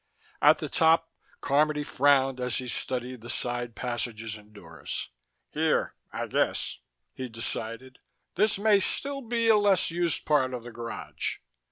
At the top, Carmody frowned as he studied the side passages and doors. "Here, I guess," he decided. "This may still be a less used part of the garage."